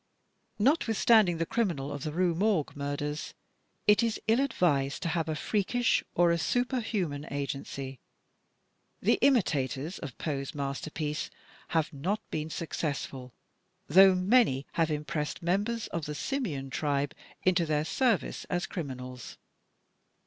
Notwithstanding the criminal of the Rue Morgue murders, it is ill advised to have a freakish or a superhuman agency. The imitators of Poe's masterpiece have not been successful, though many have impressed members of the Simian tribe into their service as criminals.